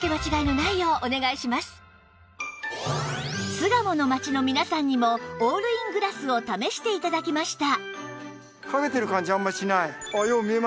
巣鴨の街の皆さんにもオールイングラスを試して頂きました